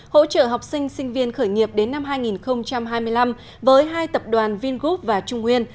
hỗ trợ học sinh sinh viên khởi nghiệp đến năm hai nghìn hai mươi năm với hai tập đoàn vingroup và trung nguyên